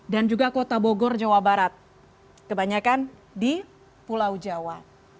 dan juga kota bogor jawa barat kebanyakan di pulau jawa